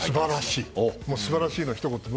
素晴らしいのひと言です。